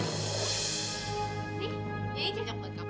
nih ini cacong banget